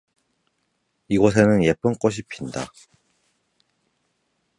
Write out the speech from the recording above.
이곳에는 예쁜 꽃이 핀다.